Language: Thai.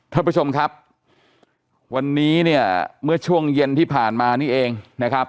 ท่านผู้ชมครับวันนี้เนี่ยเมื่อช่วงเย็นที่ผ่านมานี่เองนะครับ